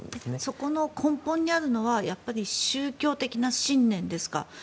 そこの根本にあるのは宗教的な信念ですか。